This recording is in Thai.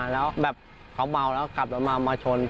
แล้วเขาเมาหากลับมามาชน